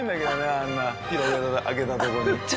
あんな開けたところに。